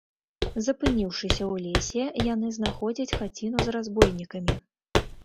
Запыніўшыся ў лесе, яны знаходзяць хаціну з разбойнікамі.